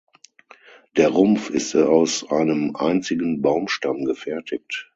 Der Rumpf ist aus einem einzigen Baumstamm gefertigt.